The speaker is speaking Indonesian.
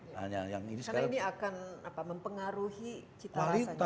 karena ini akan mempengaruhi cita rasanya